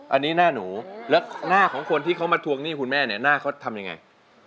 อันนี้หน้าหนูแล้วหน้าของคนที่เขามาทวงหนี้คุณแม่เนี่ยหน้าเขาทำยังไง